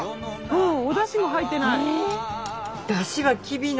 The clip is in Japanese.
うんおだしも入ってない。